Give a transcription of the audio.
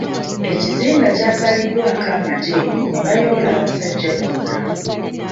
Ekizinga kyasaliddwako amagye ne bayoola abasajja bonna.